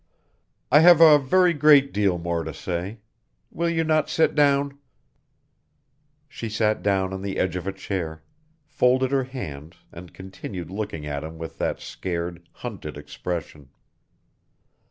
"I have a very great deal more to say; will you not sit down?" She sat down on the edge of a chair, folded her hands and continued looking at him with that scared, hunted expression.